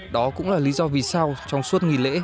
đó cũng là lý do vì sao trong suốt nghỉ lễ